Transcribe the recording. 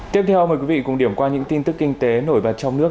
tiếp theo mời quý vị cùng điểm qua những tin tức kinh tế nổi bật trong nước